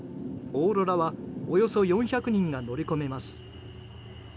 「おーろら」はおよそ４００人が乗り込めます。